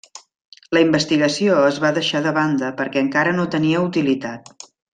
La investigació es va deixar de banda perquè encara no tenia utilitat.